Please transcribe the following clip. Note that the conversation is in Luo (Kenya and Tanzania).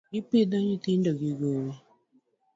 I pidho nyithindo gi gowi.